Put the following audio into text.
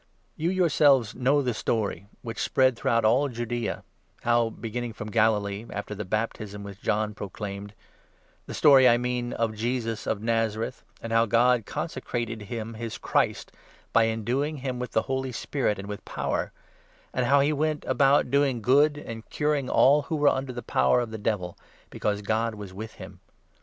You yourselves know the story which spread through all 37 Judaea, how, beginning from Galilee, after the baptism which John proclaimed — the story, I mean, of Jesus of Nazareth, 38 and how God consecrated him his Christ by enduing him with the Holy iSpirit and with power ; and how he went about doing good and curing all who were under the power of the Devil, because God was with him.